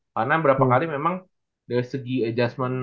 karena beberapa kali memang dari segi adjustment